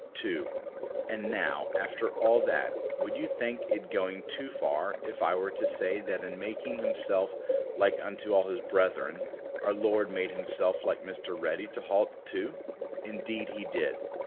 2. And now, after all that, would you think it going too far if I were to say that in making Himself like unto all His brethren, our Lord made Himself like Mr. Ready to halt too? Indeed He did.